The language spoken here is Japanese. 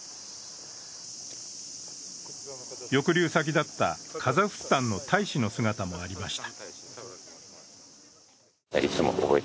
抑留先だったカザフスタンの大使の姿もありました。